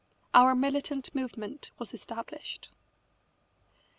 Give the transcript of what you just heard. Our militant movement was established.